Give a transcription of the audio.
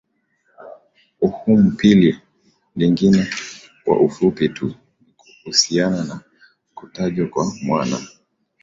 uhuum lipi lingine kwa ufupi tu ni kuhusiana na kutajwa kwa mwana